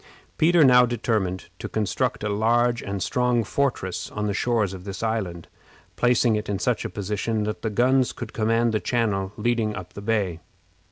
Peter now determined to construct a large and strong fortress on the shores of this island, placing it in such a position that the guns could command the channel leading up the bay.